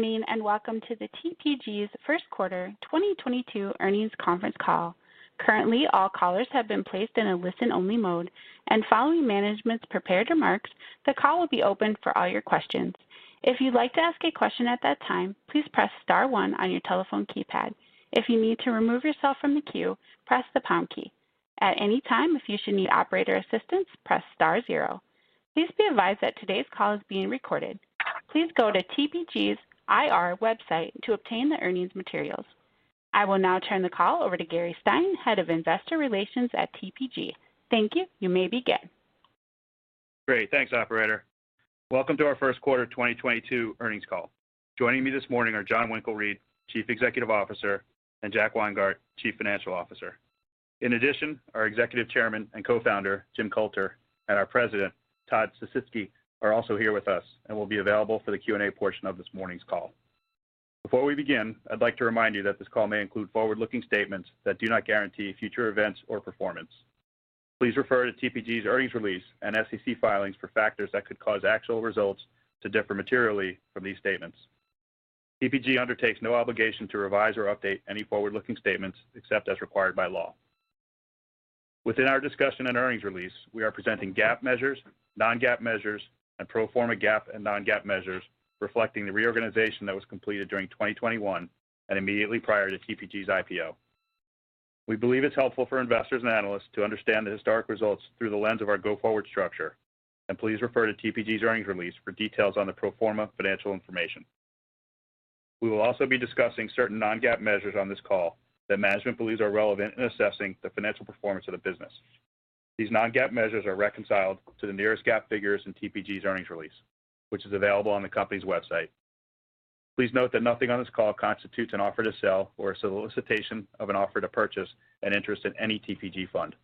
Good morning, and welcome to TPG's first quarter 2022 earnings conference call. Currently, all callers have been placed in a listen-only mode, and following management's prepared remarks, the call will be opened for all your questions. If you'd like to ask a question at that time, please press star one on your telephone keypad. If you need to remove yourself from the queue, press the pound key. At any time, if you should need operator assistance, press star zero. Please be advised that today's call is being recorded. Please go to TPG's IR website to obtain the earnings materials. I will now turn the call over to Gary Stein, Head of Investor Relations at TPG. Thank you. You may begin. Great. Thanks, operator. Welcome to our first quarter 2022 earnings call. Joining me this morning are Jon Winkelried, Chief Executive Officer, and Jack Weingart, Chief Financial Officer. In addition, our Executive Chairman and Co-founder, Jim Coulter, and our President, Todd Sisitsky, are also here with us and will be available for the Q&A portion of this morning's call. Before we begin, I'd like to remind you that this call may include forward-looking statements that do not guarantee future events or performance. Please refer to TPG's earnings release and SEC filings for factors that could cause actual results to differ materially from these statements. TPG undertakes no obligation to revise or update any forward-looking statements except as required by law. Within our discussion and earnings release, we are presenting GAAP measures, non-GAAP measures, and pro forma GAAP and non-GAAP measures reflecting the reorganization that was completed during 2021 and immediately prior to TPG's IPO. We believe it's helpful for investors and analysts to understand the historic results through the lens of our go-forward structure, and please refer to TPG's earnings release for details on the pro forma financial information. We will also be discussing certain non-GAAP measures on this call that management believes are relevant in assessing the financial performance of the business. These non-GAAP measures are reconciled to the nearest GAAP figures in TPG's earnings release, which is available on the company's website. Please note that nothing on this call constitutes an offer to sell or a solicitation of an offer to purchase an interest in any TPG fund.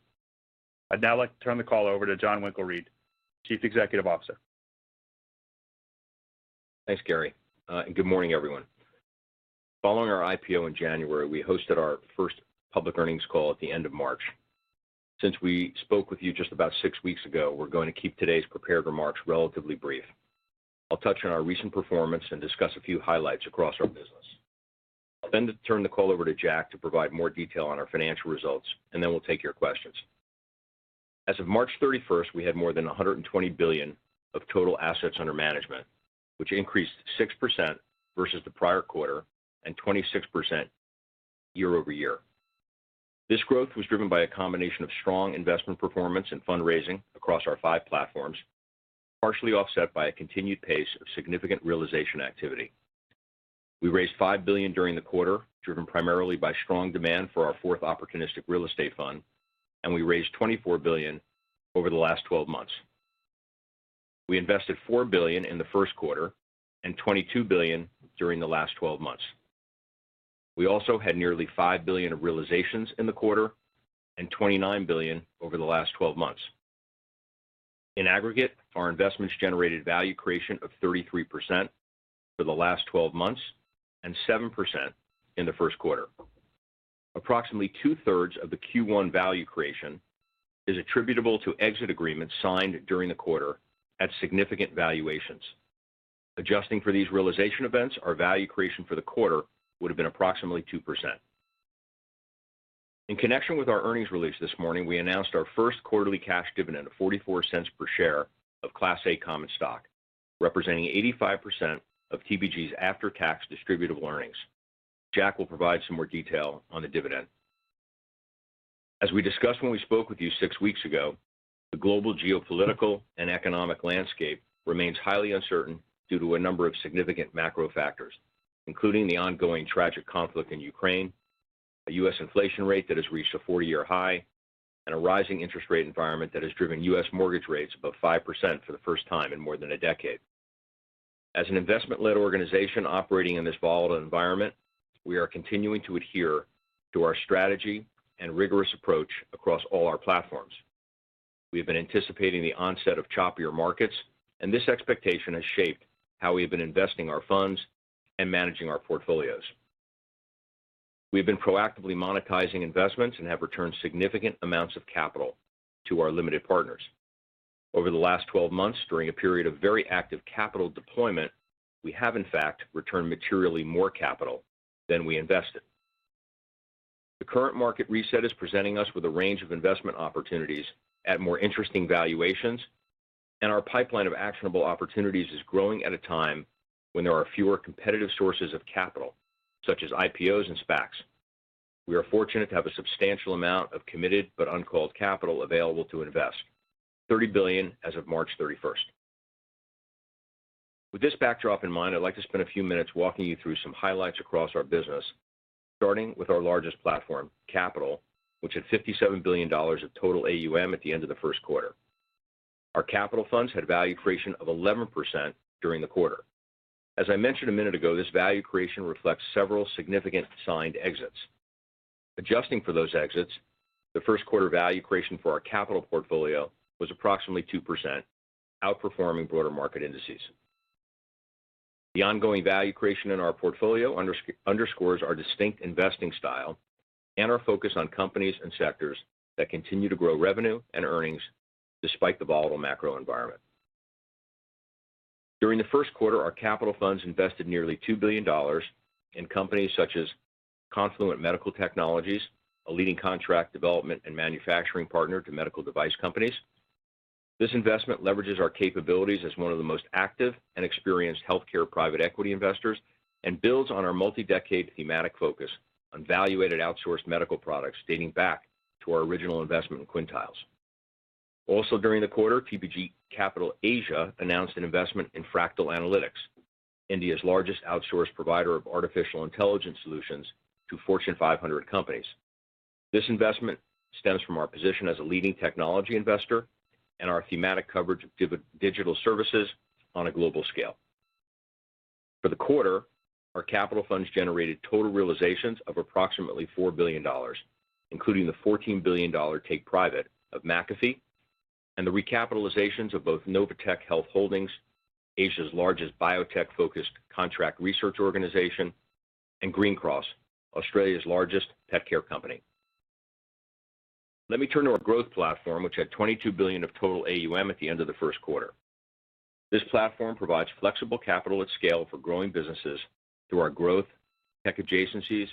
I'd now like to turn the call over to Jon Winkelried, Chief Executive Officer. Thanks, Gary, and good morning, everyone. Following our IPO in January, we hosted our first public earnings call at the end of March. Since we spoke with you just about six weeks ago, we're going to keep today's prepared remarks relatively brief. I'll touch on our recent performance and discuss a few highlights across our business. I'll then turn the call over to Jack to provide more detail on our financial results, and then we'll take your questions. As of March 31, we had more than $120 billion of total assets under management, which increased 6% versus the prior quarter and 26% year-over-year. This growth was driven by a combination of strong investment performance and fundraising across our fivfive platforms, partially offset by a continued pace of significant realization activity. We raised $5 billion during the quarter, driven primarily by strong demand for our fourth opportunistic real estate fund, and we raised $24 billion over the last 12 months. We invested $4 billion in the first quarter and $22 billion during the last 12 months. We also had nearly $5 billion of realizations in the quarter and $29 billion over the last 12 months. In aggregate, our investments generated value creation of 33% for the last 12 months and 7% in the first quarter. Approximately two-thirds of the Q1 value creation is attributable to exit agreements signed during the quarter at significant valuations. Adjusting for these realization events, our value creation for the quarter would have been approximately 2%. In connection with our earnings release this morning, we announced our first quarterly cash dividend of $0.44 per share of Class A common stock, representing 85% of TPG's after-tax distributive earnings. Jack will provide some more detail on the dividend. As we discussed when we spoke with you six weeks ago, the global geopolitical and economic landscape remains highly uncertain due to a number of significant macro factors, including the ongoing tragic conflict in Ukraine, a U.S. inflation rate that has reached a 40-year high, and a rising interest rate environment that has driven U.S. mortgage rates above 5% for the first time in more than a decade. As an investment-led organization operating in this volatile environment, we are continuing to adhere to our strategy and rigorous approach across all our platforms. We have been anticipating the onset of choppier markets, and this expectation has shaped how we have been investing our funds and managing our portfolios. We have been proactively monetizing investments and have returned significant amounts of capital to our limited partners. Over the last 12 months during a period of very active capital deployment, we have in fact returned materially more capital than we invested. The current market reset is presenting us with a range of investment opportunities at more interesting valuations, and our pipeline of actionable opportunities is growing at a time when there are fewer competitive sources of capital, such as IPOs and SPACs. We are fortunate to have a substantial amount of committed but uncalled capital available to invest, $30 billion as of March 31. With this backdrop in mind, I'd like to spend a few minutes walking you through some highlights across our business, starting with our largest platform, Capital, which had $57 billion of total AUM at the end of the first quarter. Our capital funds had value creation of 11% during the quarter. As I mentioned a minute ago, this value creation reflects several significant signed exits. Adjusting for those exits, the first quarter value creation for our capital portfolio was approximately 2%, outperforming broader market indices. The ongoing value creation in our portfolio underscores our distinct investing style and our focus on companies and sectors that continue to grow revenue and earnings over, despite the volatile macro environment. During the first quarter, our capital funds invested nearly $2 billion in companies such as Confluent Medical Technologies, a leading contract development and manufacturing partner to medical device companies. This investment leverages our capabilities as one of the most active and experienced healthcare private equity investors and builds on our multi-decade thematic focus on value-added outsourced medical products dating back to our original investment in Quintiles. Also during the quarter, TPG Capital Asia announced an investment in Fractal Analytics, India's largest outsourced provider of artificial intelligence solutions to Fortune 500 companies. This investment stems from our position as a leading technology investor and our thematic coverage of digital services on a global scale. For the quarter, our capital funds generated total realizations of approximately $4 billion, including the $14 billion take private of McAfee and the recapitalizations of both Novotech Health Holdings, Asia's largest biotech-focused contract research organization, and Greencross, Australia's largest pet care company. Let me turn to our growth platform, which had $22 billion of total AUM at the end of the first quarter. This platform provides flexible capital at scale for growing businesses through our growth, tech adjacencies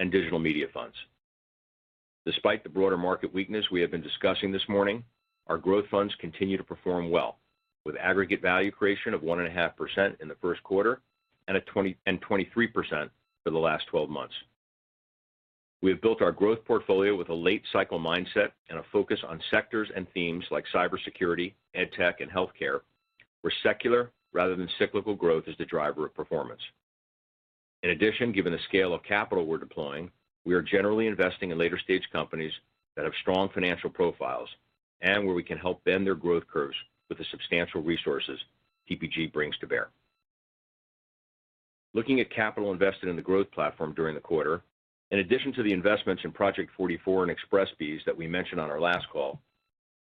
and digital media funds. Despite the broader market weakness we have been discussing this morning, our growth funds continue to perform well with aggregate value creation of 1.5% in the first quarter and a 23% for the last 12 months. We have built our growth portfolio with a late cycle mindset and a focus on sectors and themes like cybersecurity, edtech, and healthcare, where secular rather than cyclical growth is the driver of performance. In addition, given the scale of capital we're deploying, we are generally investing in later stage companies that have strong financial profiles and where we can help bend their growth curves with the substantial resources TPG brings to bear. Looking at capital invested in the growth platform during the quarter, in addition to the investments in project44 and Express Scripts that we mentioned on our last call,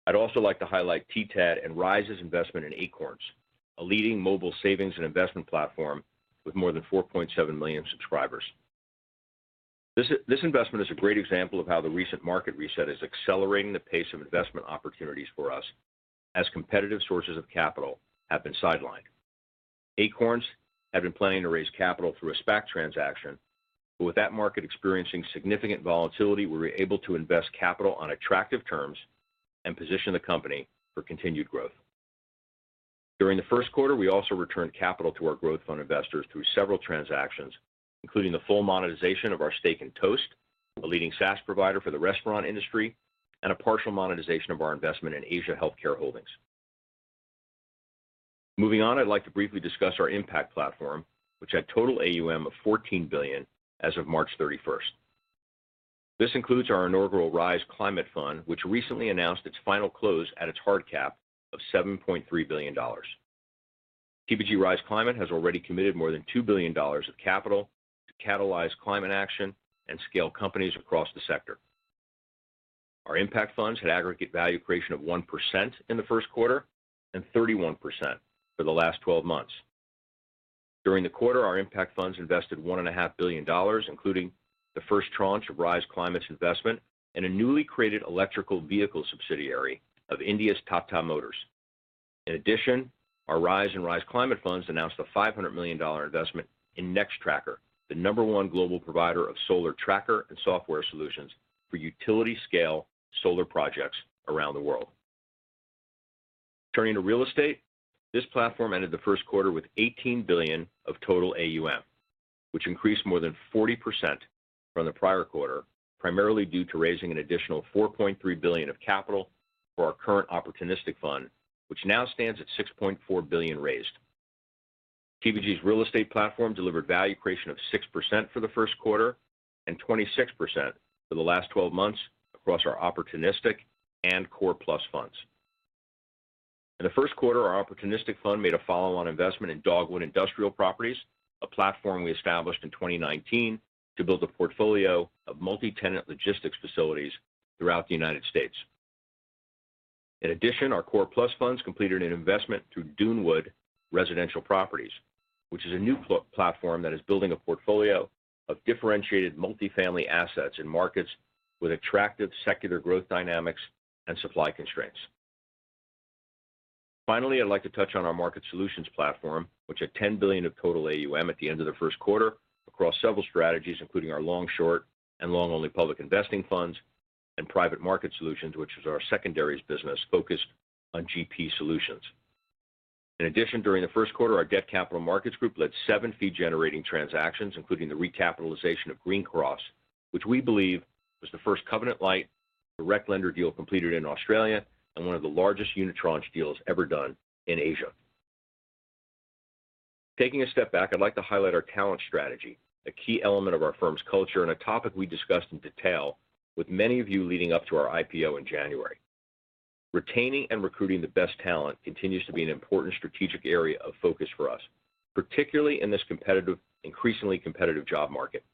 I'd also like to highlight TTAD and Rise's investment in Acorns, a leading mobile savings and investment platform with more than 4.7 million subscribers. This investment is a great example of how the recent market reset is accelerating the pace of investment opportunities for us as competitive sources of capital have been sidelined. Acorns had been planning to raise capital through a SPAC transaction, but with that market experiencing significant volatility, we were able to invest capital on attractive terms and position the company for continued growth. During the first quarter, we also returned capital to our growth fund investors through several transactions, including the full monetization of our stake in Toast, a leading SaaS provider for the restaurant industry, and a partial monetization of our investment in Asia Healthcare Holdings. Moving on, I'd like to briefly discuss our impact platform, which had total AUM of $14 billion as of March 31st. This includes our inaugural Rise Climate Fund, which recently announced its final close at its hard cap of $7.3 billion. TPG Rise Climate has already committed more than $2 billion of capital to catalyze climate action and scale companies across the sector. Our impact funds had aggregate value creation of 1% in the first quarter and 31% for the last 12 months. During the quarter, our impact funds invested $1.5 billion, including the first tranche of Rise Climate's investment in a newly created electrical vehicle subsidiary of India's Tata Motors. In addition, our Rise and Rise Climate funds announced a $500 million investment in Nextracker, the number one global provider of solar tracker and software solutions for utility-scale solar projects around the world. Turning to real estate, this platform ended the first quarter with $18 billion of total AUM, which increased more than 40% from the prior quarter, primarily due to raising an additional $4.3 billion of capital for our current opportunistic fund, which now stands at $6.4 billion raised. TPG's real estate platform delivered value creation of 6% for the first quarter and 26% for the last 12 months across our opportunistic and core plus funds. In the first quarter, our opportunistic fund made a follow-on investment in Dogwood Industrial Properties, a platform we established in 2019 to build a portfolio of multi-tenant logistics facilities throughout the United States. In addition, our core plus funds completed an investment through Dunewood Residential Properties, which is a new platform that is building a portfolio of differentiated multifamily assets in markets with attractive secular growth dynamics and supply constraints. Finally, I'd like to touch on our market solutions platform, which had $10 billion of total AUM at the end of the first quarter across several strategies, including our long, short and long only public investing funds and private market solutions, which is our secondaries business focused on GP solutions. In addition, during the first quarter, our debt capital markets group led seven fee-generating transactions, including the recapitalization of Greencross, which we believe was the first covenant-lite direct lender deal completed in Australia and one of the largest unitranche deals ever done in Asia. Taking a step back, I'd like to highlight our talent strategy, a key element of our firm's culture, and a topic we discussed in detail with many of you leading up to our IPO in January. Retaining and recruiting the best talent continues to be an important strategic area of focus for us, particularly in this competitive, increasingly competitive job market.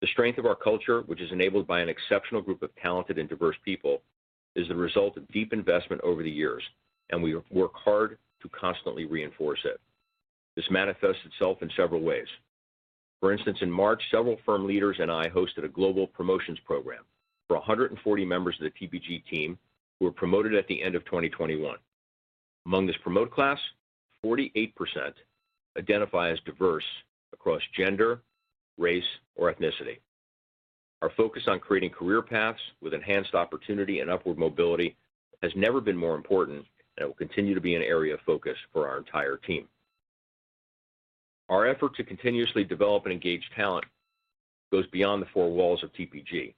The strength of our culture, which is enabled by an exceptional group of talented and diverse people, is the result of deep investment over the years, and we work hard to constantly reinforce it. This manifests itself in several ways. For instance, in March, several firm leaders and I hosted a global promotions program for 140 members of the TPG team who were promoted at the end of 2021. Among this promote class, 48% identify as diverse across gender, race, or ethnicity. Our focus on creating career paths with enhanced opportunity and upward mobility has never been more important, and it will continue to be an area of focus for our entire team. Our effort to continuously develop and engage talent goes beyond the four walls of TPG.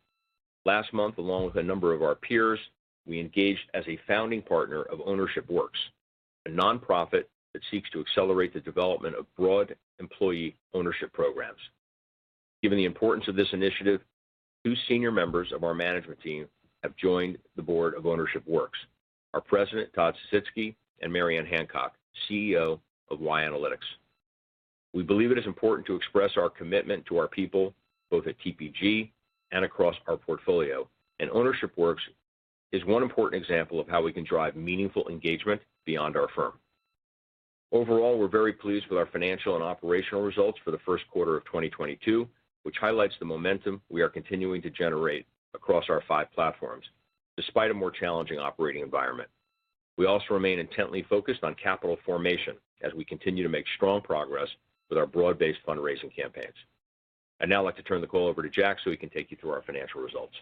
Last month, along with a number of our peers, we engaged as a founding partner of Ownership Works, a nonprofit that seeks to accelerate the development of broad employee ownership programs. Given the importance of this initiative, two senior members of our management team have joined the board of Ownership Works, our President, Todd Sisitsky, and Maryanne Hancock, CEO of Y Analytics. We believe it is important to express our commitment to our people, both at TPG and across our portfolio, and Ownership Works is one important example of how we can drive meaningful engagement beyond our firm. Overall, we're very pleased with our financial and operational results for the first quarter of 2022, which highlights the momentum we are continuing to generate across our five platforms despite a more challenging operating environment. We also remain intently focused on capital formation as we continue to make strong progress with our broad-based fundraising campaigns. I'd now like to turn the call over to Jack so he can take you through our financial results.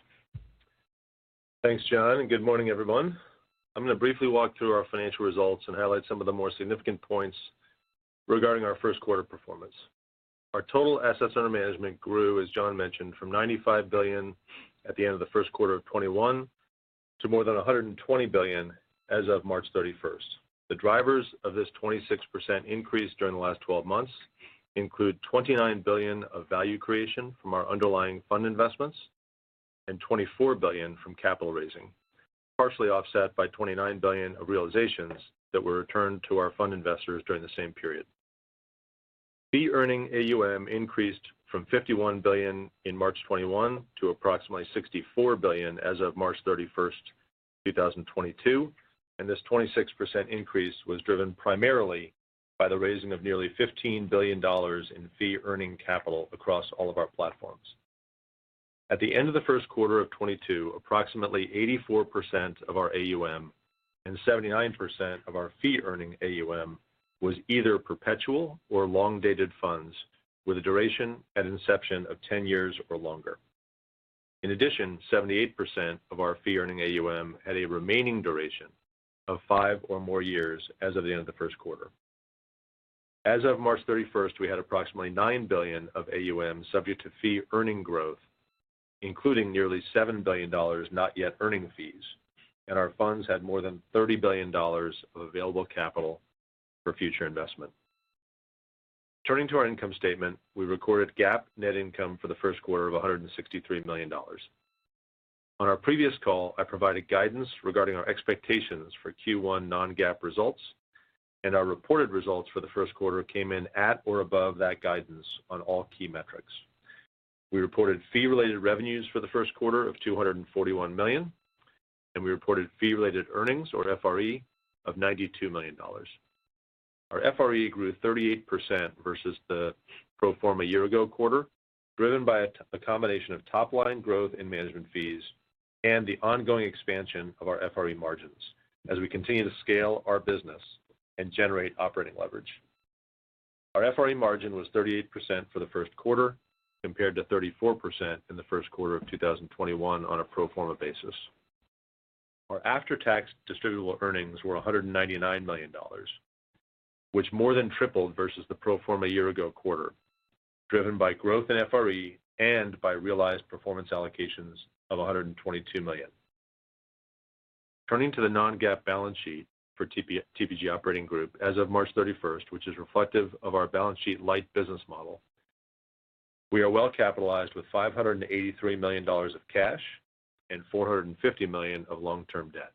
Thanks, Jon, and good morning, everyone. I'm gonna briefly walk through our financial results and highlight some of the more significant points regarding our first quarter performance. Our total assets under management grew, as Jon mentioned, from $95 billion at the end of the first quarter of 2021 to more than $120 billion as of March 31. The drivers of this 26% increase during the last 12 months include $29 billion of value creation from our underlying fund investments and $24 billion from capital raising, partially offset by $29 billion of realizations that were returned to our fund investors during the same period. Fee earning AUM increased from $51 billion in March 2021 to approximately $64 billion as of March 31, 2022, and this 26% increase was driven primarily by the raising of nearly $15 billion in fee-earning capital across all of our platforms. At the end of the first quarter of 2022, approximately 84% of our AUM and 79% of our fee-earning AUM was either perpetual or long-dated funds with a duration at inception of 10 years or longer. In addition, 78% of our fee-earning AUM had a remaining duration of 5 or more years as of the end of the first quarter. As of March 31, we had approximately $9 billion of AUM subject to fee earning growth, including nearly $7 billion not yet earning fees, and our funds had more than $30 billion of available capital for future investment. Turning to our income statement, we recorded GAAP net income for the first quarter of $163 million. On our previous call, I provided guidance regarding our expectations for Q1 non-GAAP results, and our reported results for the first quarter came in at or above that guidance on all key metrics. We reported fee-related revenues for the first quarter of $241 million, and we reported fee-related earnings, or FRE, of $92 million. Our FRE grew 38% versus the pro forma year ago quarter, driven by a combination of top-line growth in management fees and the ongoing expansion of our FRE margins as we continue to scale our business and generate operating leverage. Our FRE margin was 38% for the first quarter compared to 34% in the first quarter of 2021 on a pro forma basis. Our after-tax distributable earnings were $199 million, which more than tripled versus the pro forma year ago quarter, driven by growth in FRE and by realized performance allocations of $122 million. Turning to the non-GAAP balance sheet for TPG Operating Group as of March 31, which is reflective of our balance sheet light business model, we are well capitalized with $583 million of cash and $450 million of long-term debt.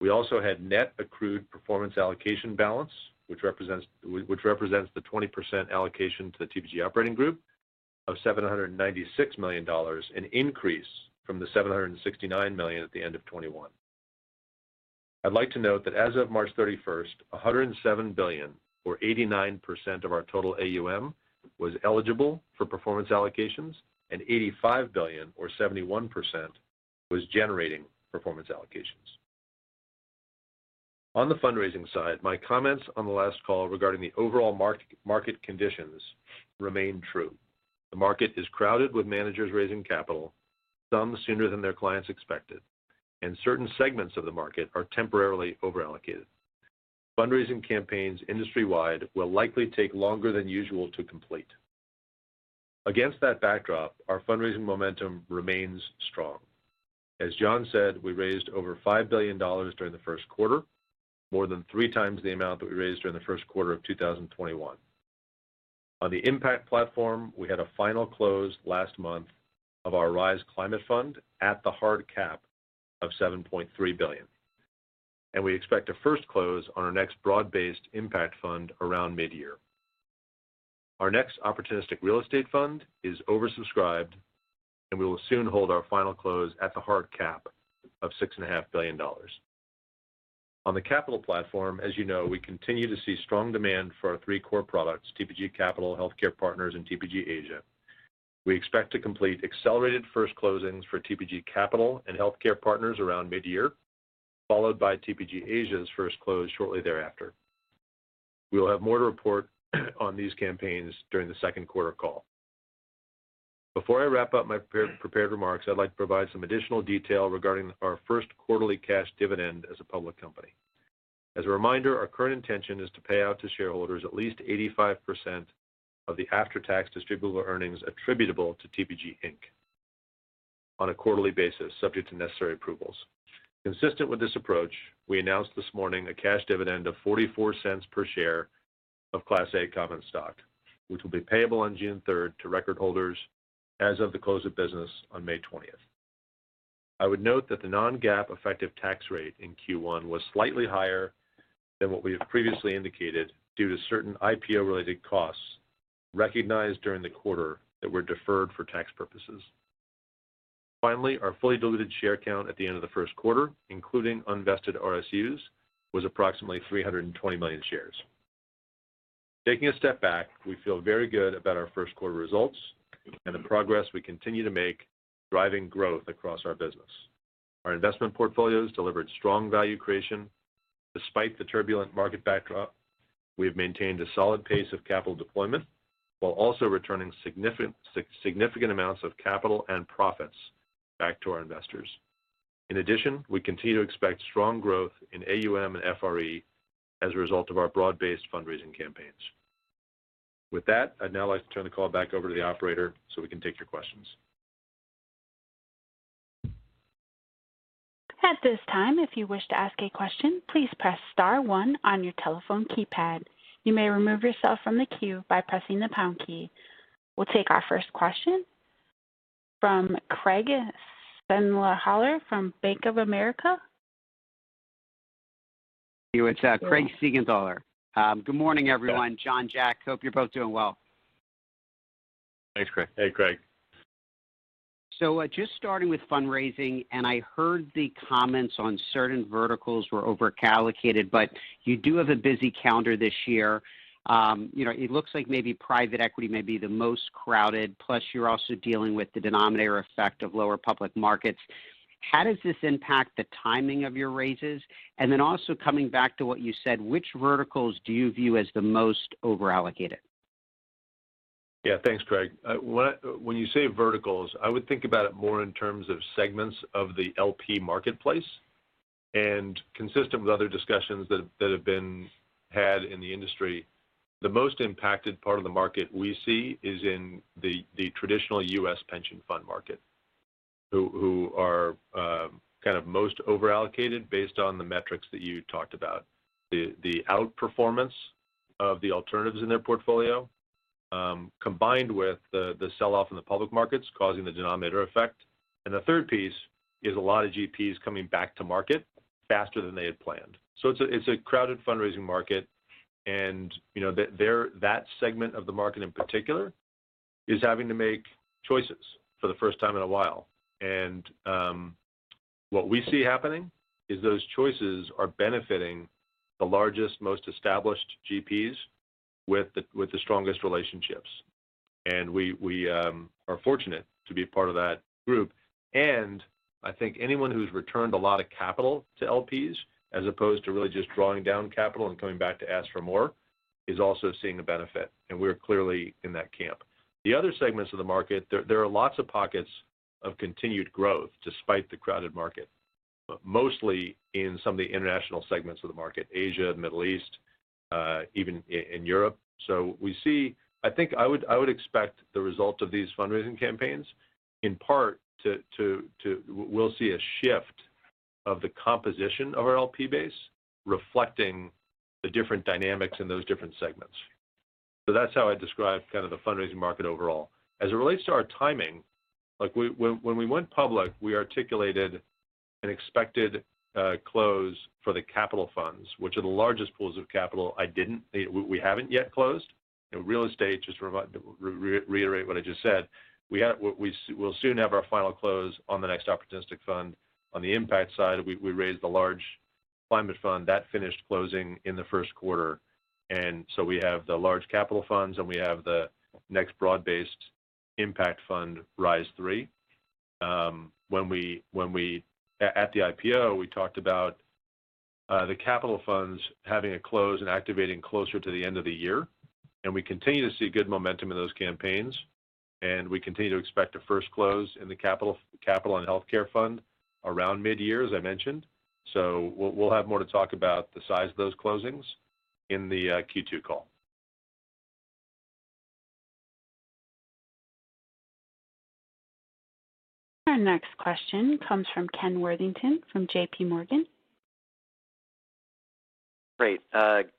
We also had net accrued performance allocation balance, which represents the 20% allocation to the TPG Operating Group of $796 million, an increase from the $769 million at the end of 2021. I'd like to note that as of March 31st, $107 billion or 89% of our total AUM was eligible for performance allocations and $85 billion or 71% was generating performance allocations. On the fundraising side, my comments on the last call regarding the overall market conditions remain true. The market is crowded with managers raising capital, some sooner than their clients expected, and certain segments of the market are temporarily over-allocated. Fundraising campaigns industry-wide will likely take longer than usual to complete. Against that backdrop, our fundraising momentum remains strong. As Jon said, we raised over $5 billion during the first quarter, more than three times the amount that we raised during the first quarter of 2021. On the impact platform, we had a final close last month of our Rise Climate Fund at the hard cap of $7.3 billion, and we expect to first close on our next broad-based impact fund around mid-year. Our next opportunistic real estate fund is oversubscribed, and we will soon hold our final close at the hard cap of $6.5 billion. On the capital platform, as you know, we continue to see strong demand for our three core products, TPG Capital, TPG Healthcare Partners, and TPG Asia. We expect to complete accelerated first closings for TPG Capital and TPG Healthcare Partners around midyear, followed by TPG Asia's first close shortly thereafter. We will have more to report on these campaigns during the second quarter call. Before I wrap up my pre-prepared remarks, I'd like to provide some additional detail regarding our first quarterly cash dividend as a public company. As a reminder, our current intention is to pay out to shareholders at least 85% of the after-tax distributable earnings attributable to TPG Inc. On a quarterly basis, subject to necessary approvals. Consistent with this approach, we announced this morning a cash dividend of $0.44 per share of Class A common stock, which will be payable on June third to recordholders as of the close of business on May twentieth. I would note that the non-GAAP effective tax rate in Q1 was slightly higher than what we have previously indicated due to certain IPO-related costs recognized during the quarter that were deferred for tax purposes. Finally, our fully diluted share count at the end of the first quarter, including unvested RSUs, was approximately 320 million shares. Taking a step back, we feel very good about our first quarter results and the progress we continue to make driving growth across our business. Our investment portfolios delivered strong value creation despite the turbulent market backdrop. We have maintained a solid pace of capital deployment while also returning significant amounts of capital and profits back to our investors. In addition, we continue to expect strong growth in AUM and FRE as a result of our broad-based fundraising campaigns. With that, I'd now like to turn the call back over to the operator so we can take your questions. At this time, if you wish to ask a question, please press star one on your telephone keypad. You may remove yourself from the queue by pressing the pound key. We'll take our first question from Craig Siegenthaler from Bank of America. It's Craig Siegenthaler. Good morning, everyone. Jon, Jack, hope you're both doing well. Thanks, Craig. Hey, Craig. Just starting with fundraising, and I heard the comments on certain verticals were over-allocated, but you do have a busy calendar this year. You know, it looks like maybe private equity may be the most crowded, plus you're also dealing with the denominator effect of lower public markets. How does this impact the timing of your raises? Then also coming back to what you said, which verticals do you view as the most over-allocated? Yeah. Thanks, Craig. When you say verticals, I would think about it more in terms of segments of the LP marketplace. Consistent with other discussions that have been had in the industry, the most impacted part of the market we see is in the traditional US pension fund market, who are kind of most over-allocated based on the metrics that you talked about. The outperformance of the alternatives in their portfolio combined with the sell-off in the public markets causing the denominator effect. The third piece is a lot of GPs coming back to market faster than they had planned. It's a crowded fundraising market, and you know, that segment of the market, in particular, is having to make choices for the first time in a while. What we see happening is those choices are benefiting the largest, most established GPs with the strongest relationships. We are fortunate to be a part of that group. I think anyone who's returned a lot of capital to LPs, as opposed to really just drawing down capital and coming back to ask for more, is also seeing a benefit, and we're clearly in that camp. The other segments of the market, there are lots of pockets of continued growth despite the crowded market, mostly in some of the international segments of the market, Asia, Middle East, even in Europe. We see. I think I would expect the result of these fundraising campaigns, in part to. We'll see a shift of the composition of our LP base reflecting the different dynamics in those different segments. That's how I describe kind of the fundraising market overall. As it relates to our timing, when we went public, we articulated an expected close for the capital funds, which are the largest pools of capital. We haven't yet closed. In real estate, just to reiterate what I just said, we'll soon have our final close on the next opportunistic fund. On the impact side, we raised the large climate fund. That finished closing in the first quarter. We have the large capital funds, and we have the next broad-based impact fund, Rise Three. When we... At the IPO, we talked about the capital funds having to close and activating closer to the end of the year, and we continue to see good momentum in those campaigns, and we continue to expect a first close in the capital and healthcare fund around mid-year, as I mentioned. We'll have more to talk about the size of those closings in the Q2 call. Our next question comes from Ken Worthington from J.P. Morgan. Great.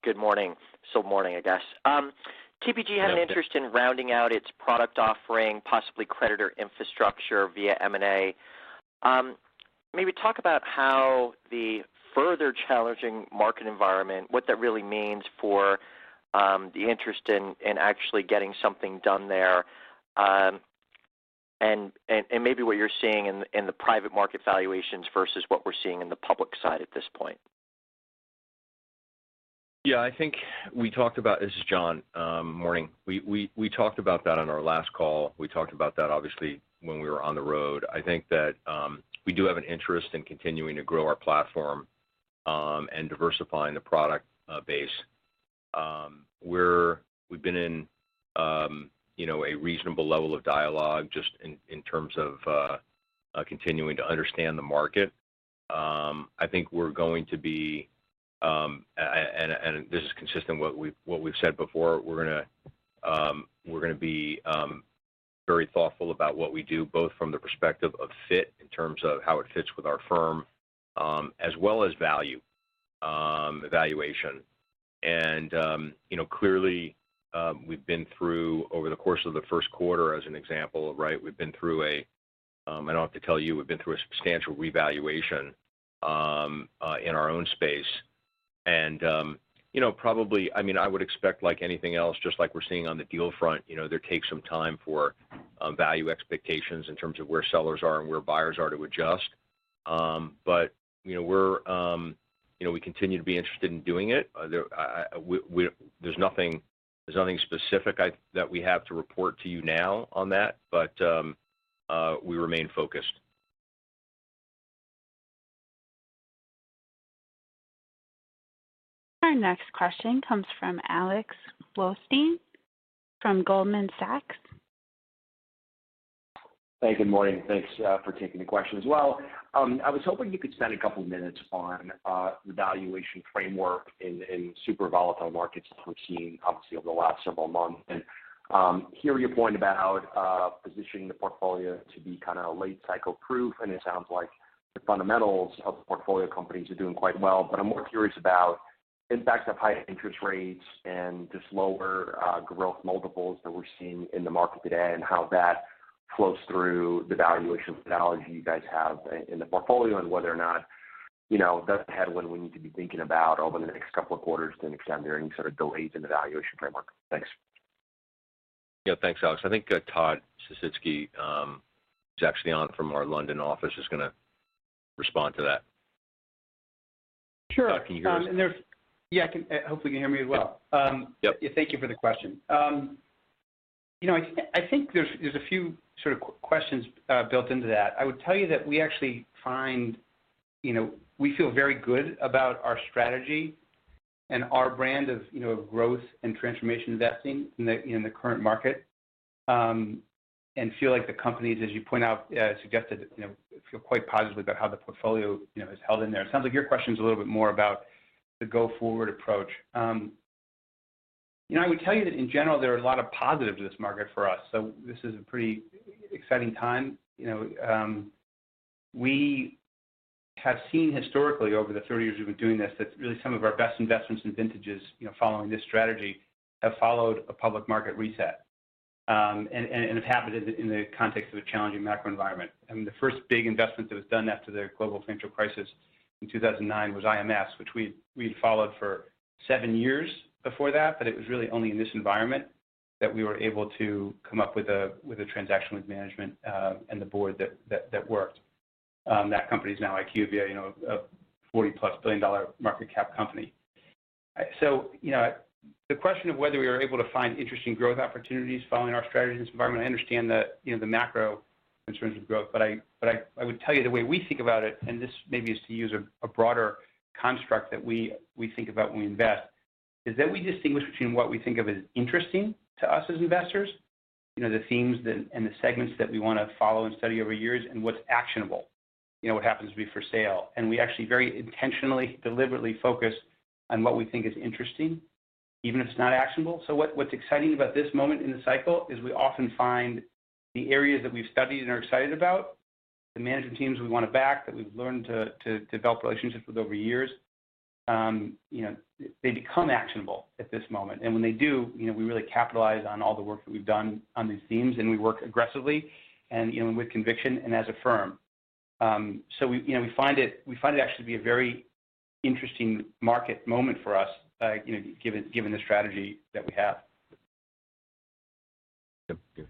Good morning. Still morning, I guess. TPG- Yeah. Had an interest in rounding out its product offering, possibly credit infrastructure via M&A. Maybe talk about how the further challenging market environment, what that really means for the interest in actually getting something done there, and maybe what you're seeing in the private market valuations versus what we're seeing in the public side at this point. This is Jon Winkelried. We talked about that on our last call. We talked about that obviously when we were on the road. I think that we do have an interest in continuing to grow our platform and diversifying the product base. We've been in, you know, a reasonable level of dialogue just in terms of continuing to understand the market. I think we're going to be, and this is consistent with what we've said before, we're gonna be very thoughtful about what we do, both from the perspective of fit in terms of how it fits with our firm, as well as value, valuation. You know, clearly, we've been through over the course of the first quarter as an example, right, we've been through a substantial revaluation in our own space. You know, probably, I mean, I would expect like anything else, just like we're seeing on the deal front, you know, there takes some time for value expectations in terms of where sellers are and where buyers are to adjust. You know, we continue to be interested in doing it. There's nothing specific that we have to report to you now on that, but we remain focused. Our next question comes from Alex Blostein from Goldman Sachs. Hey, good morning. Thanks for taking the question as well. I was hoping you could spend a couple of minutes on the valuation framework in super volatile markets that we've seen obviously over the last several months. Hear your point about positioning the portfolio to be kinda late cycle proof, and it sounds like the fundamentals of the portfolio companies are doing quite well. But I'm more curious about impacts of high interest rates and just lower growth multiples that we're seeing in the market today, and how that flows through the valuation methodology you guys have in the portfolio, and whether or not, you know, that's the headline we need to be thinking about over the next couple of quarters to the extent there are any sort of delays in the valuation framework. Thanks. Yeah. Thanks, Alex. I think, Todd Sisitsky, who's actually on from our London office, is gonna respond to that. Sure. Todd, can you hear us? Hopefully you can hear me as well. Yep. Yep. Thank you for the question. You know, I think there's a few sort of questions built into that. I would tell you that we actually find, you know, we feel very good about our strategy and our brand of, you know, growth and transformation investing in the current market, and feel like the companies, as you point out, suggested, you know, feel quite positively about how the portfolio, you know, is held in there. It sounds like your question is a little bit more about the go-forward approach. You know, I would tell you that in general, there are a lot of positives to this market for us, so this is a pretty exciting time. You know, we have seen historically over the 30 years we've been doing this, that really some of our best investments and vintages, you know, following this strategy, have followed a public market reset, and it happened in the context of a challenging macro environment. I mean, the first big investment that was done after the global financial crisis in 2009 was IMS, which we followed for seven years before that. It was really only in this environment that we were able to come up with a transaction with management and the board that worked. That company is now IQVIA, you know, a $40-plus billion market cap company. You know, the question of whether we are able to find interesting growth opportunities following our strategy in this environment. I understand, you know, the macro in terms of growth, but I would tell you the way we think about it, and this maybe is to use a broader construct that we think about when we invest, is that we distinguish between what we think of as interesting to us as investors, you know, the themes and the segments that we wanna follow and study over years, and what's actionable. You know, what happens to be for sale. We actually very intentionally, deliberately focus on what we think is interesting, even if it's not actionable. What’s exciting about this moment in the cycle is we often find the areas that we’ve studied and are excited about, the management teams we wanna back, that we’ve learned to develop relationships with over years, you know, they become actionable at this moment. When they do, you know, we really capitalize on all the work that we’ve done on these themes, and we work aggressively and, you know, and with conviction and as a firm. We, you know, find it actually to be a very interesting market moment for us, you know, given the strategy that we have. Yeah. Yeah.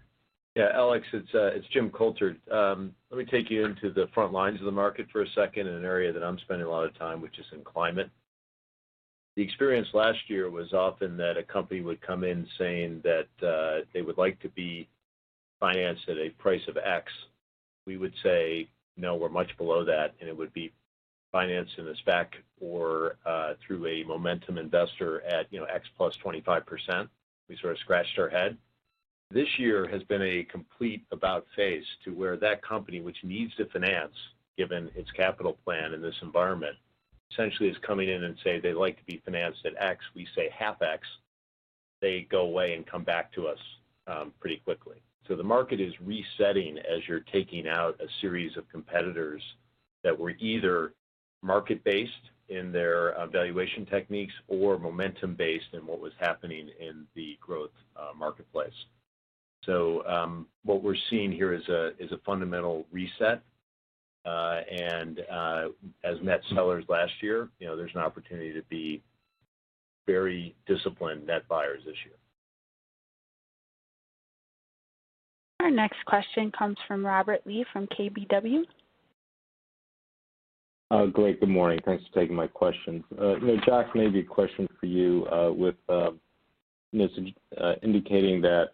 Yeah. Alex, it's Jim Coulter. Let me take you into the front lines of the market for a second in an area that I'm spending a lot of time, which is in climate. The experience last year was often that a company would come in saying that they would like to be financed at a price of X. We would say, "No, we're much below that," and it would be financed in a SPAC or through a momentum investor at, you know, X plus 25%. We sort of scratched our head. This year has been a complete about face to where that company, which needs to finance, given its capital plan in this environment, essentially is coming in and say they'd like to be financed at X. We say half X. They go away and come back to us pretty quickly. The market is resetting as you're taking out a series of competitors that were either market-based in their valuation techniques or momentum-based in what was happening in the growth marketplace. What we're seeing here is a fundamental reset and as asset sellers last year, you know, there's an opportunity to be Very disciplined net buyers this year. Our next question comes from Robert Lee from KBW. Great. Good morning. Thanks for taking my question. You know, Jack, maybe a question for you, with you know, indicating that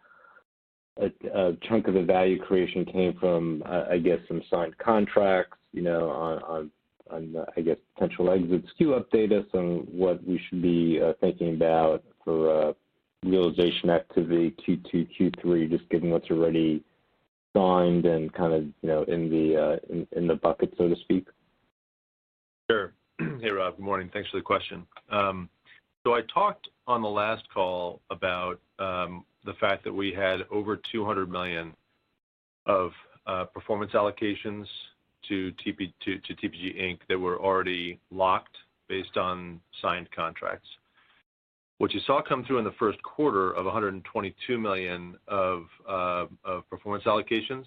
a chunk of the value creation came from, I guess, some signed contracts, you know, on, I guess, potential exits. Can you update us on what we should be thinking about for realization activity Q2, Q3, just given what's already signed and kind of, you know, in the bucket, so to speak? Sure. Hey, Rob, good morning. Thanks for the question. I talked on the last call about the fact that we had over $200 million of performance allocations to TPG Inc. that were already locked based on signed contracts. What you saw come through in the first quarter of $122 million of performance allocations,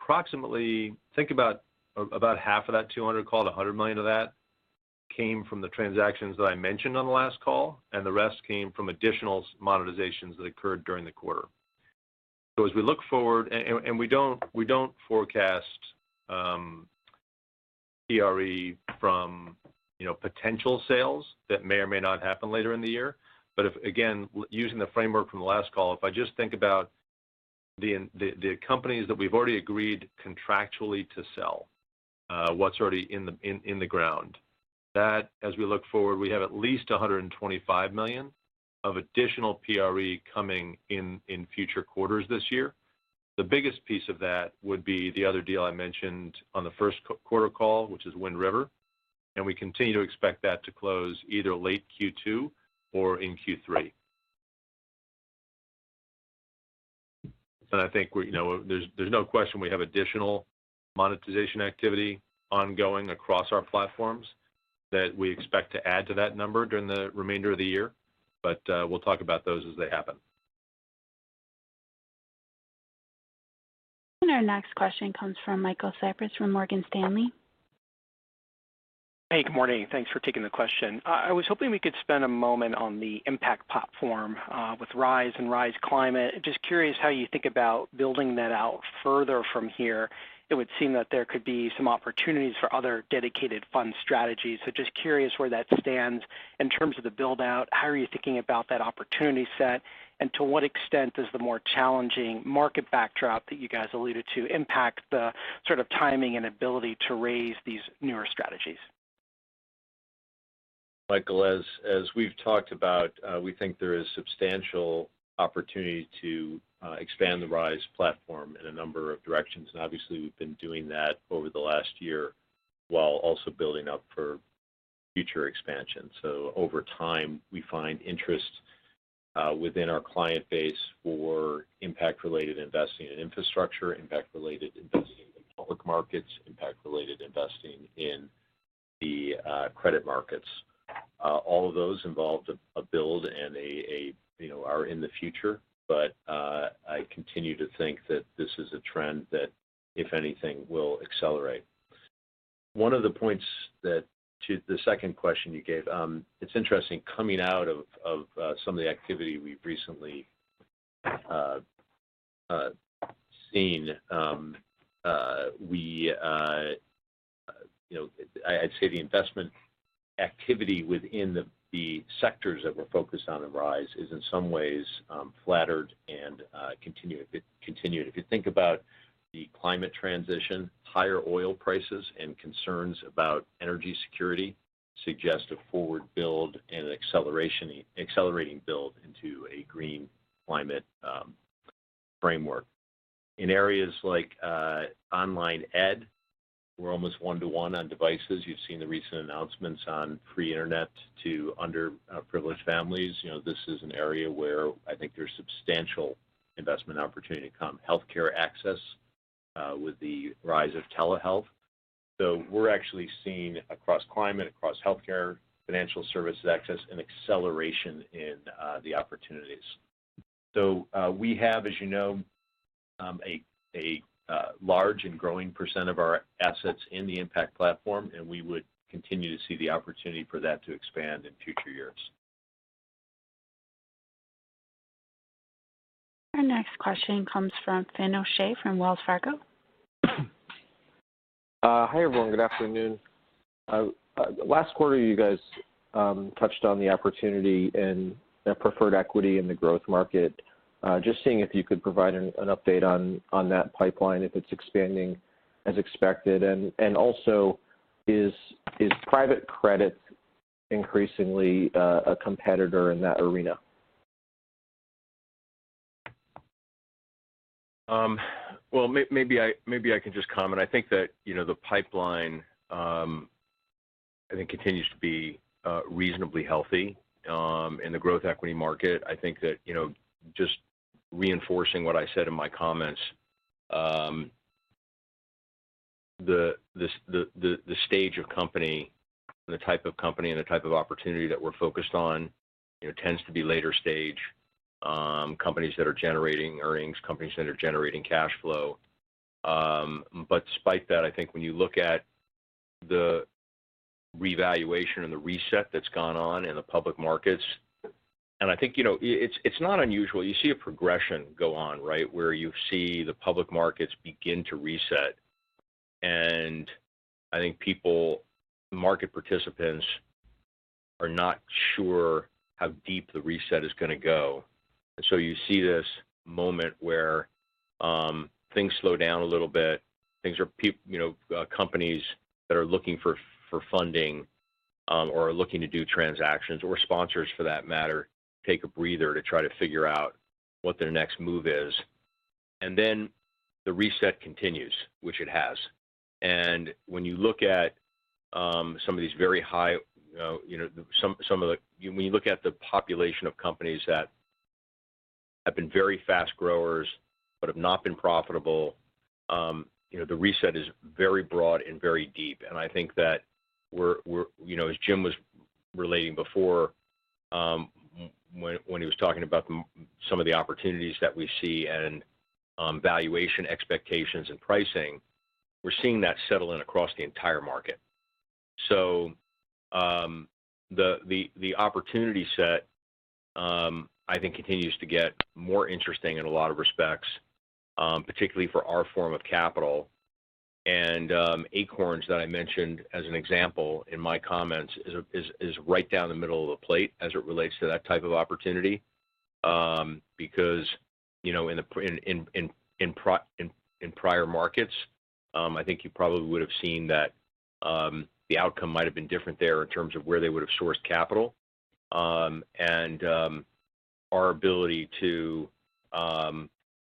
approximately think about about half of that $200, call it $100 million of that came from the transactions that I mentioned on the last call, and the rest came from additional monetizations that occurred during the quarter. As we look forward, we don't forecast PRE from, you know, potential sales that may or may not happen later in the year. If, again, using the framework from the last call, if I just think about the companies that we've already agreed contractually to sell, what's already in the ground, that as we look forward, we have at least $125 million of additional PRE coming in future quarters this year. The biggest piece of that would be the other deal I mentioned on the first quarter call, which is Wind River, and we continue to expect that to close either late Q2 or in Q3. I think there's no question we have additional monetization activity ongoing across our platforms that we expect to add to that number during the remainder of the year, but we'll talk about those as they happen. Our next question comes from Michael Cyprys from Morgan Stanley. Hey, good morning. Thanks for taking the question. I was hoping we could spend a moment on the impact platform with Rise and Rise Climate. Just curious how you think about building that out further from here. It would seem that there could be some opportunities for other dedicated fund strategies. Just curious where that stands in terms of the build-out. How are you thinking about that opportunity set? To what extent does the more challenging market backdrop that you guys alluded to impact the sort of timing and ability to raise these newer strategies? Michael, as we've talked about, we think there is substantial opportunity to expand the Rise platform in a number of directions. Obviously, we've been doing that over the last year while also building up for future expansion. Over time, we find interest within our client base for impact-related investing in infrastructure, impact-related investing in public markets, impact-related investing in the credit markets. All of those involved you know are in the future, but I continue to think that this is a trend that, if anything, will accelerate. One of the points to the second question you gave, it's interesting coming out of some of the activity we've recently seen. I'd say the investment activity within the sectors that we're focused on in Rise is in some ways flattered and continued. If you think about the climate transition, higher oil prices and concerns about energy security suggest a forward build and an accelerating build into a green climate framework. In areas like online ed, we're almost one-to-one on devices. You've seen the recent announcements on free internet to underprivileged families. You know, this is an area where I think there's substantial investment opportunity to come. Healthcare access with the rise of telehealth. We're actually seeing across climate, across healthcare, financial services access, an acceleration in the opportunities. We have, as you know, a large and growing percent of our assets in the impact platform, and we would continue to see the opportunity for that to expand in future years. Our next question comes from Finian O'Shea from Wells Fargo. Hi, everyone. Good afternoon. Last quarter, you guys touched on the opportunity in a preferred equity in the growth market. Just seeing if you could provide an update on that pipeline, if it's expanding as expected. Also, is private credit increasingly a competitor in that arena? Well, maybe I can just comment. I think that, you know, the pipeline I think continues to be reasonably healthy in the growth equity market. I think that, you know, just reinforcing what I said in my comments, the stage of company and the type of company and the type of opportunity that we're focused on, you know, tends to be later stage companies that are generating earnings, companies that are generating cash flow. Despite that, I think when you look at the revaluation and the reset that's gone on in the public markets. I think, you know, it's not unusual. You see a progression go on, right? Where you see the public markets begin to reset. I think people, market participants are not sure how deep the reset is gonna go. You see this moment where things slow down a little bit. Things are, you know, companies that are looking for funding or are looking to do transactions, or sponsors for that matter, take a breather to try to figure out what their next move is. The reset continues, which it has. When you look at some of these very high, you know, some of the. When you look at the population of companies that have been very fast growers but have not been profitable, you know, the reset is very broad and very deep. I think that we're, you know, as Jim was relating before, when he was talking about some of the opportunities that we see and valuation expectations and pricing, we're seeing that settle in across the entire market. The opportunity set, I think, continues to get more interesting in a lot of respects, particularly for our form of capital. Acorns that I mentioned as an example in my comments is right down the middle of the plate as it relates to that type of opportunity. Because, you know, in prior markets, I think you probably would've seen that, the outcome might've been different there in terms of where they would've sourced capital. Our ability to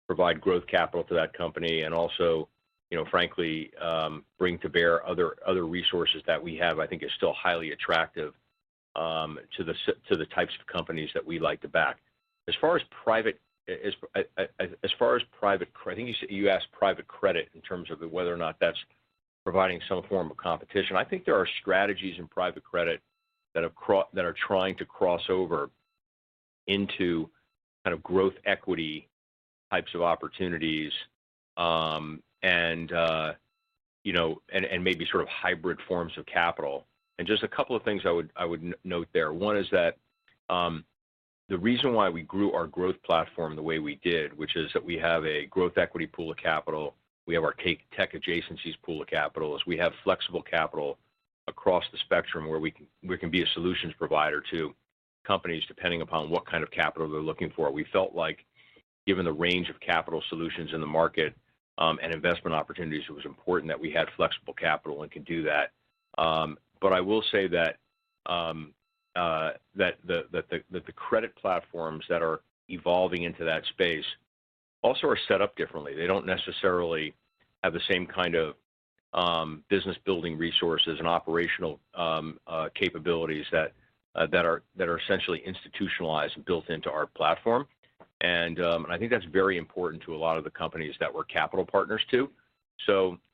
provide growth capital to that company and also, you know, frankly, bring to bear other resources that we have, I think is still highly attractive to the types of companies that we like to back. As far as private credit, I think you asked private credit in terms of whether or not that's providing some form of competition. I think there are strategies in private credit that are trying to cross over into kind of growth equity types of opportunities, and, you know, maybe sort of hybrid forms of capital. Just a couple of things I would note there. One is that the reason why we grew our growth platform the way we did, which is that we have a growth equity pool of capital, we have our tech adjacencies pool of capital, is we have flexible capital across the spectrum where we can be a solutions provider to companies, depending upon what kind of capital they're looking for. We felt like given the range of capital solutions in the market, and investment opportunities, it was important that we had flexible capital and could do that. I will say that the credit platforms that are evolving into that space also are set up differently. They don't necessarily have the same kind of business-building resources and operational capabilities that are essentially institutionalized and built into our platform. I think that's very important to a lot of the companies that we're capital partners to.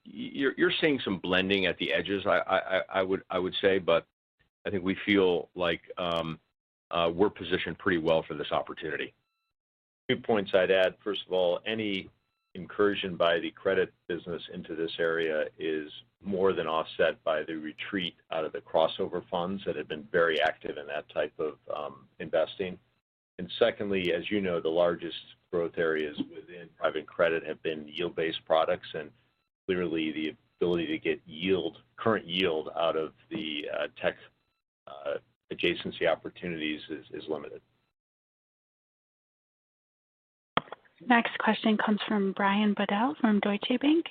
You're seeing some blending at the edges, I would say, but I think we feel like we're positioned pretty well for this opportunity. Two points I'd add. First of all, any incursion by the credit business into this area is more than offset by the retreat out of the crossover funds that have been very active in that type of investing. Secondly, as you know, the largest growth areas within private credit have been yield-based products. Clearly the ability to get yield, current yield out of the tech adjacency opportunities is limited. Next question comes from Brian Bedell from Deutsche Bank.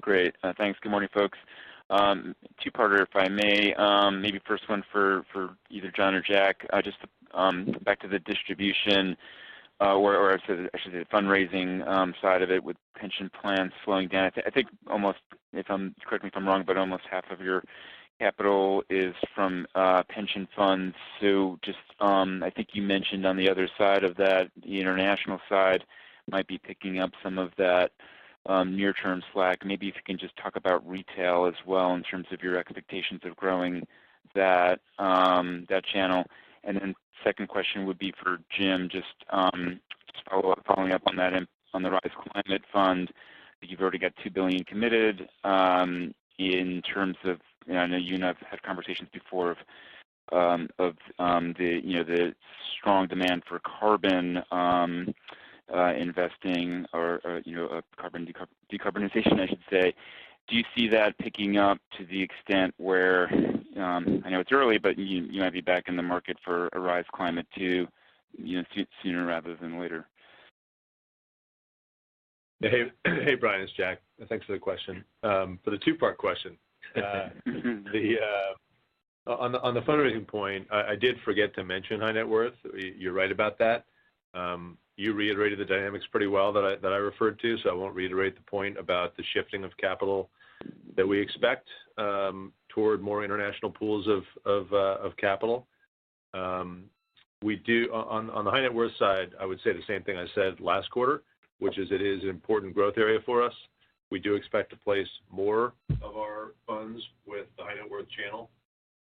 Great. Thanks. Good morning, folks. Two-parter if I may. Maybe first one for either Jon or Jack, just back to the distribution, or I should say the fundraising side of it with pension plans slowing down. I think almost half of your capital is from pension funds. Correct me if I'm wrong. So just I think you mentioned on the other side of that, the international side might be picking up some of that near-term slack. Maybe if you can just talk about retail as well in terms of your expectations of growing that channel. Then second question would be for Jim, just follow up on that, on the Rise Climate Fund. You've already got $2 billion committed in terms of. I know you and I have had conversations before of the, you know, the strong demand for carbon investing or, you know, carbon decarbonization I should say. Do you see that picking up to the extent where, I know it's early, but you might be back in the market for a Rise Climate 2, you know, sooner rather than later? Hey, hey Brian, it's Jack. Thanks for the question. For the two-part question. On the fundraising point, I did forget to mention high net worth. You're right about that. You reiterated the dynamics pretty well that I referred to, so I won't reiterate the point about the shifting of capital that we expect toward more international pools of capital. On the high net worth side, I would say the same thing I said last quarter, which is it is an important growth area for us. We do expect to place more of our funds with the high net worth channel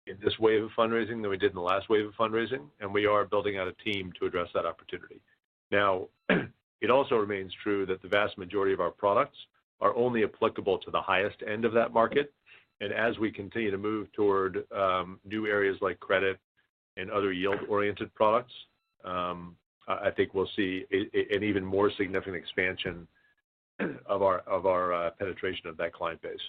in this wave of fundraising than we did in the last wave of fundraising, and we are building out a team to address that opportunity. Now, it also remains true that the vast majority of our products are only applicable to the highest end of that market. As we continue to move toward new areas like credit and other yield-oriented products, I think we'll see an even more significant expansion of our penetration of that client base.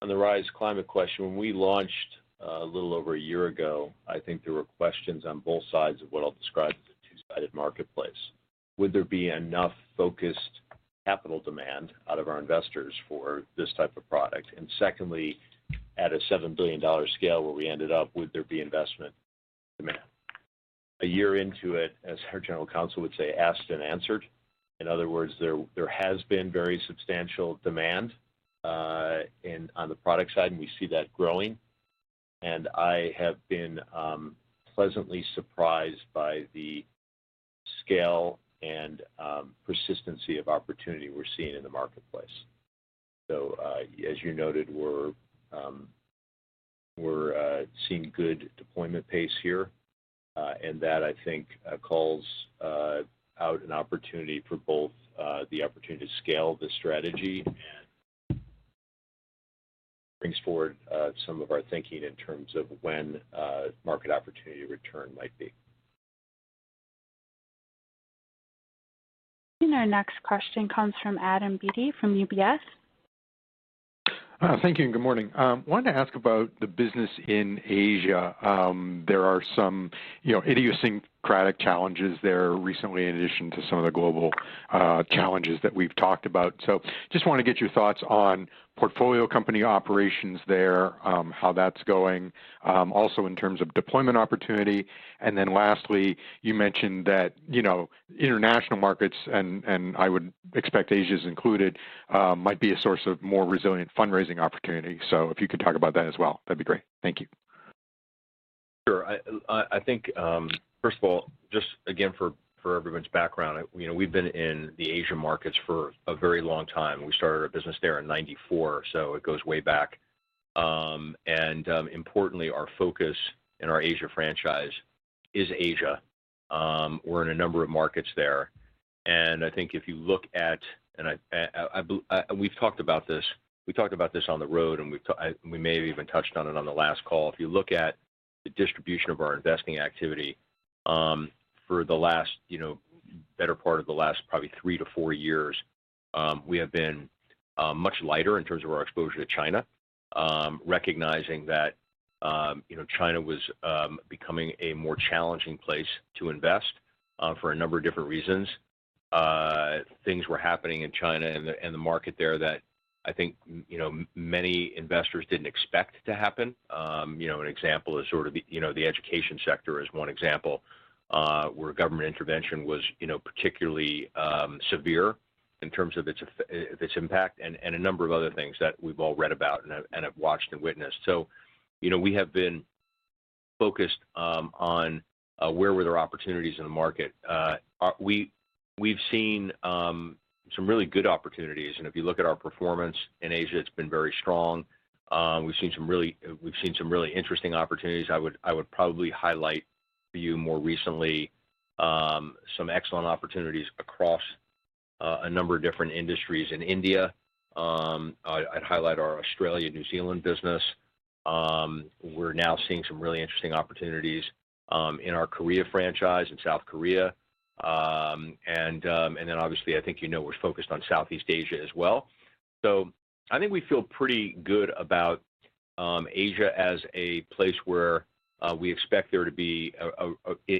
On the Rise Climate question, when we launched a little over a year ago, I think there were questions on both sides of what I'll describe as a two-sided marketplace. Would there be enough focused capital demand out of our investors for this type of product? Secondly, at a $7 billion scale where we ended up, would there be investment demand? A year into it, as our general counsel would say, "Asked and answered." In other words, there has been very substantial demand on the product side, and we see that growing. I have been pleasantly surprised by the scale and persistency of opportunity we're seeing in the marketplace. As you noted, we're seeing good deployment pace here. That I think calls out an opportunity for both the opportunity to scale the strategy and brings forward some of our thinking in terms of when a market opportunity return might be. Our next question comes from Adam Beatty from UBS. Thank you and good morning. Wanted to ask about the business in Asia. There are some, you know, idiosyncratic challenges there recently in addition to some of the global challenges that we've talked about. Just wanna get your thoughts on portfolio company operations there, how that's going, also in terms of deployment opportunity. Then lastly, you mentioned that, you know, international markets, and I would expect Asia is included, might be a source of more resilient fundraising opportunity. If you could talk about that as well, that'd be great. Thank you. Sure. I think, first of all, just again for everyone's background, you know, we've been in the Asia markets for a very long time. We started our business there in 1994, so it goes way back. Importantly, our focus in our Asia franchise is Asia. We're in a number of markets there. We've talked about this on the road, and we may have even touched on it on the last call. If you look at the distribution of our investing activity, for the last, you know, better part of the last probably 3-4 years, we have been much lighter in terms of our exposure to China. Recognizing that, you know, China was becoming a more challenging place to invest, for a number of different reasons. Things were happening in China and the market there that I think, you know, many investors didn't expect to happen. You know, an example is the education sector is one example, where government intervention was, you know, particularly severe in terms of its impact and a number of other things that we've all read about and have watched and witnessed. You know, we have been focused on where there were opportunities in the market. We've seen some really good opportunities. If you look at our performance in Asia, it's been very strong. We've seen some really interesting opportunities. I would probably highlight for you more recently some excellent opportunities across a number of different industries in India. I'd highlight our Australia-New Zealand business. We're now seeing some really interesting opportunities in our Korea franchise in South Korea. Obviously, I think you know we're focused on Southeast Asia as well. I think we feel pretty good about Asia as a place where we expect there to be a high degree of growth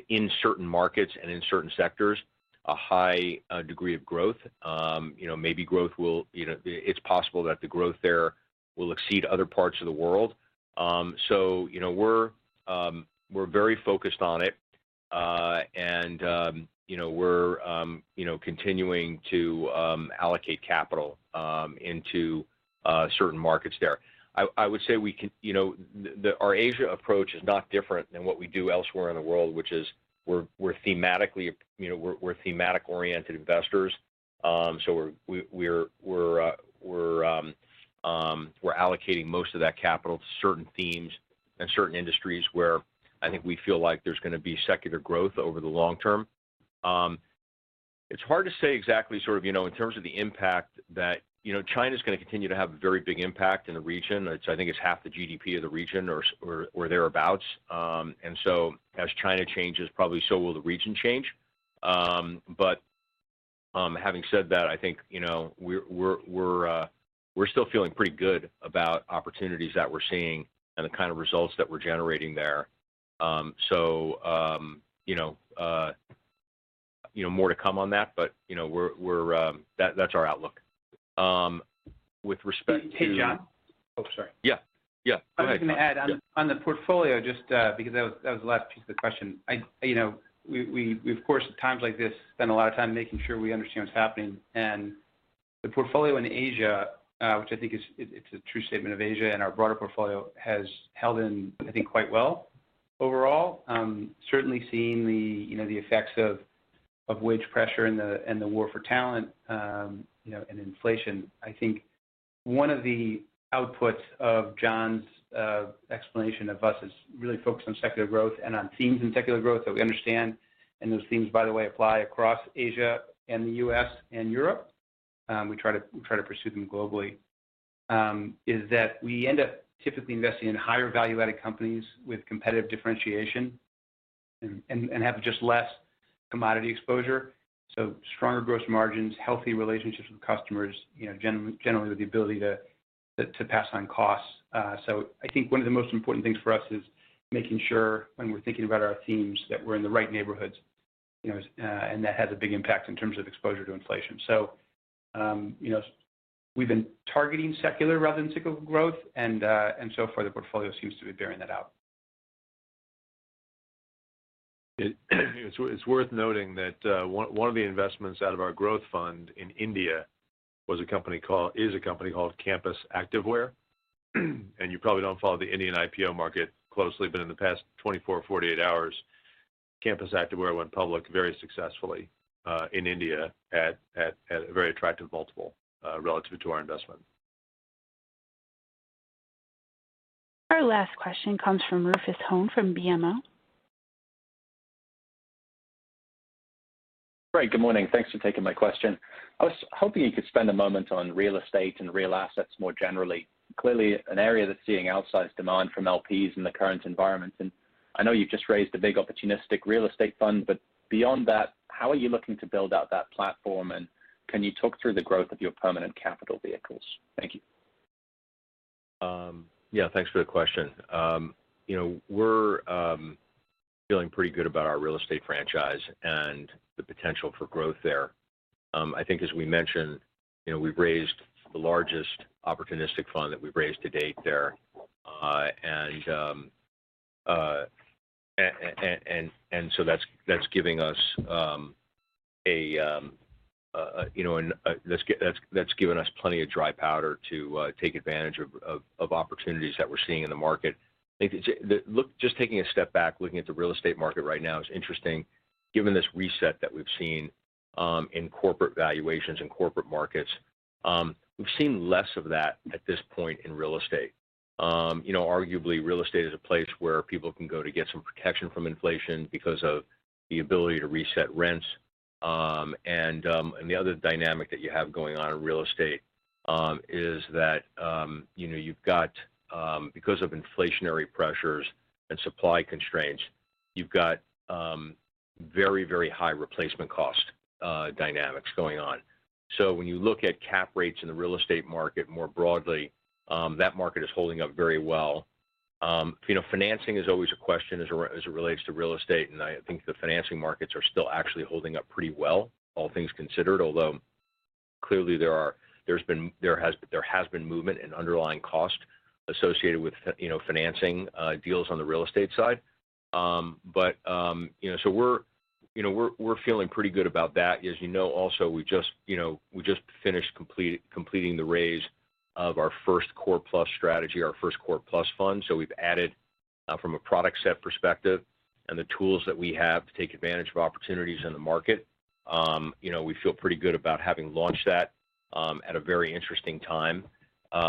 in certain markets and in certain sectors. You know, it's possible that the growth there will exceed other parts of the world. You know, we're very focused on it. you know, we're continuing to allocate capital into certain markets there. I would say, you know, our Asia approach is not different than what we do elsewhere in the world, which is we're thematic-oriented investors. So we're allocating most of that capital to certain themes and certain industries where I think we feel like there's gonna be secular growth over the long term. It's hard to say exactly sort of, you know, in terms of the impact that. You know, China's gonna continue to have a very big impact in the region. I think it's half the GDP of the region or thereabouts. As China changes, probably so will the region change. Having said that, I think, you know, we're still feeling pretty good about opportunities that we're seeing and the kind of results that we're generating there. You know, more to come on that, but you know, that's our outlook. With respect to Hey, Jon. Oh, sorry. Yeah. Go ahead, Tom. Yeah. I'm just gonna add on the portfolio, just, because that was the last piece of the question. You know, we of course, at times like this, spend a lot of time making sure we understand what's happening. The portfolio in Asia, which I think it's a true statement of Asia and our broader portfolio has held in, I think, quite well overall. Certainly seeing the, you know, the effects of wage pressure and the war for talent, you know, and inflation. I think one of the outputs of Jon's explanation of us is really focused on secular growth and on themes in secular growth that we understand. Those themes, by the way, apply across Asia and the U.S. and Europe, we try to pursue them globally. It's that we end up typically investing in higher value-added companies with competitive differentiation and have just less commodity exposure. Stronger gross margins, healthy relationships with customers, you know, generally with the ability to pass on costs. I think one of the most important things for us is making sure when we're thinking about our themes, that we're in the right neighborhoods, you know, and that has a big impact in terms of exposure to inflation. We've been targeting secular rather than cyclical growth, and so far the portfolio seems to be bearing that out. I mean, it's worth noting that one of the investments out of our growth fund in India is a company called Campus Activewear. You probably don't follow the Indian IPO market closely, but in the past 24-48 hours, Campus Activewear went public very successfully in India at a very attractive multiple relative to our investment. Our last question comes from Rufus Hone from BMO. Great. Good morning. Thanks for taking my question. I was hoping you could spend a moment on real estate and real assets more generally. Clearly an area that's seeing outsized demand from LPs in the current environment. I know you've just raised a big opportunistic real estate fund, but beyond that, how are you looking to build out that platform? Can you talk through the growth of your permanent capital vehicles? Thank you. Yeah, thanks for the question. You know, we're feeling pretty good about our real estate franchise and the potential for growth there. I think as we mentioned, you know, we've raised the largest opportunistic fund that we've raised to date there. And so that's giving us a you know an. That's given us plenty of dry powder to take advantage of opportunities that we're seeing in the market. I think it's just taking a step back, looking at the real estate market right now is interesting given this reset that we've seen in corporate valuations and corporate markets. We've seen less of that at this point in real estate. You know, arguably real estate is a place where people can go to get some protection from inflation because of the ability to reset rents. The other dynamic that you have going on in real estate is that, you know, you've got, because of inflationary pressures and supply constraints, you've got very high replacement cost dynamics going on. So when you look at cap rates in the real estate market more broadly, that market is holding up very well. You know, financing is always a question as it relates to real estate, and I think the financing markets are still actually holding up pretty well, all things considered. Although clearly there has been movement in underlying costs associated with, you know, financing deals on the real estate side. you know, we're feeling pretty good about that. As you know, we just finished completing the raise of our first Core Plus strategy, our first Core Plus fund. We've added from a product set perspective and the tools that we have to take advantage of opportunities in the market. you know, we feel pretty good about having launched that at a very interesting time. you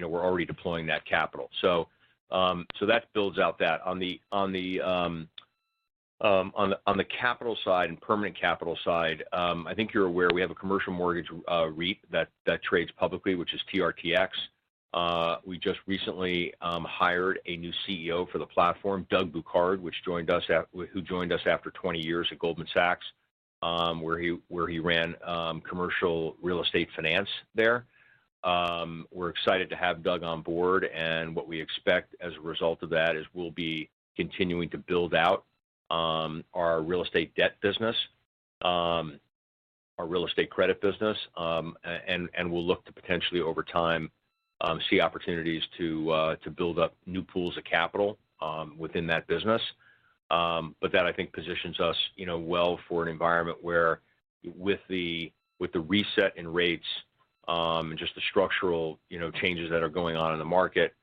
know, we're already deploying that capital. that builds out that. On the capital side and permanent capital side, I think you're aware we have a commercial mortgage REIT that trades publicly, which is TRTX. We just recently hired a new CEO for the platform, Doug Bouquard, who joined us after 20 years at Goldman Sachs, where he ran commercial real estate finance there. We're excited to have Doug on board, and what we expect as a result of that is we'll be continuing to build out our real estate debt business, our real estate credit business. We'll look to potentially over time see opportunities to build up new pools of capital within that business. That I think positions us, you know, well for an environment where with the reset in rates, and just the structural, you know, changes that are going on in the market,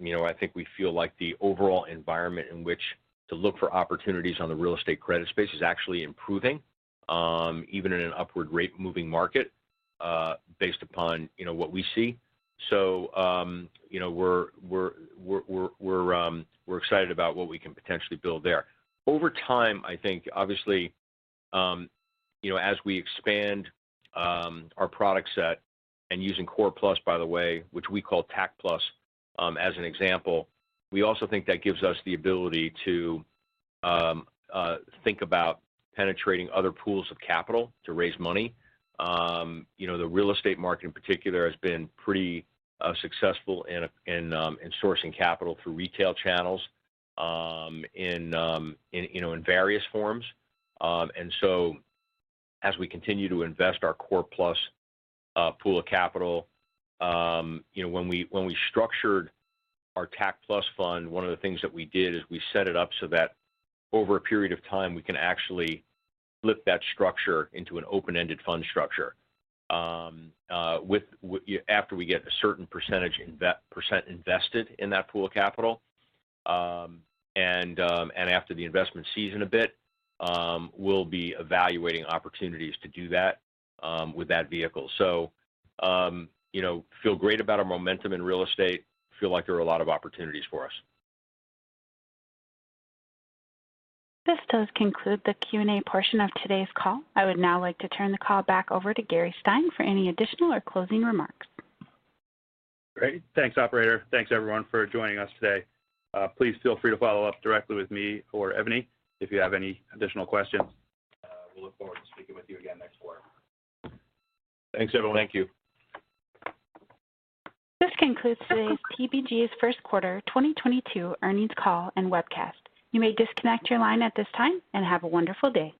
you know, I think we feel like the overall environment in which to look for opportunities on the real estate credit space is actually improving, even in an upward rate moving market, based upon, you know, what we see. You know, we're excited about what we can potentially build there. Over time, I think obviously, you know, as we expand our product set and using Core Plus, by the way, which we call TAC Plus, as an example, we also think that gives us the ability to think about penetrating other pools of capital to raise money. You know, the real estate market in particular has been pretty successful in, you know, in various forms. As we continue to invest our Core-Plus pool of capital, you know, when we structured our TAC+ fund, one of the things that we did is we set it up so that over a period of time, we can actually flip that structure into an open-ended fund structure, after we get a certain percentage invested in that pool of capital. After the investment season a bit, we'll be evaluating opportunities to do that with that vehicle. You know, feel great about our momentum in real estate. Feel like there are a lot of opportunities for us. This does conclude the Q&A portion of today's call. I would now like to turn the call back over to Gary Stein for any additional or closing remarks. Great. Thanks, operator. Thanks everyone for joining us today. Please feel free to follow up directly with me or Ebony if you have any additional questions. We'll look forward to speaking with you again next quarter. Thanks, everyone. Thank you. This concludes today's TPG's first quarter 2022 earnings call and webcast. You may disconnect your line at this time, and have a wonderful day.